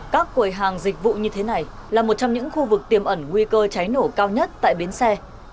các quầy hàng dịch vụ như thế này là một trong những khu vực tiềm ẩn nguy cơ cháy nổ cao nhất tại bến xe